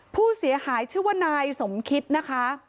ผู้เสียหายชื่อว่านายสมคิดนะคะ